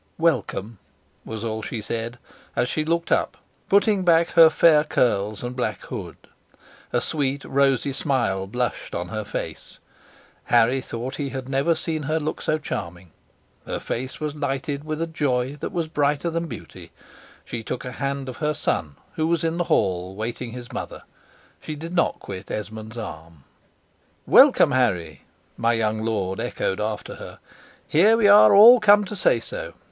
"Welcome," was all she said, as she looked up, putting back her fair curls and black hood. A sweet rosy smile blushed on her face; Harry thought he had never seen her look so charming. Her face was lighted with a joy that was brighter than beauty she took a hand of her son who was in the hall waiting his mother she did not quit Esmond's arm. "Welcome, Harry!" my young lord echoed after her. "Here, we are all come to say so.